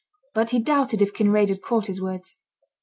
But he doubted if Kinraid had caught his words.